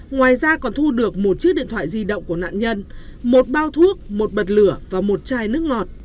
ngoài ra còn thu được một chiếc điện thoại di động của nạn nhân một bao thuốc một bật lửa và một chai nước ngọt